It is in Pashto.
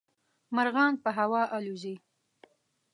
مرغان په هوا الوزي.